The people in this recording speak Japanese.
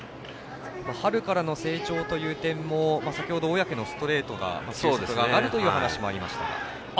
春からの成長という点も先ほど小宅のストレートが上がるという話がありました。